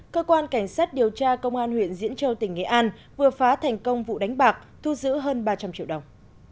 cơ quan cảnh sát điều tra công an huyện diễn châu tỉnh nghệ an vừa phá thành công vụ đánh bạc thu giữ hơn ba trăm linh triệu đồng